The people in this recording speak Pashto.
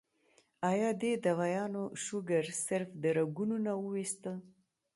ايا دې دوايانو شوګر صرف د رګونو نه اوويستۀ